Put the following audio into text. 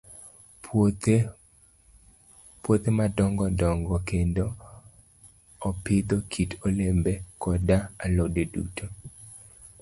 Puothe madongo dongo, kendo opidho kit olembe koda alode duto.